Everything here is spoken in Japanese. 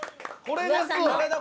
これですわ。